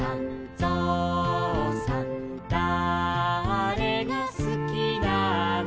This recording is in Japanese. ぞうさんだれがすきなの」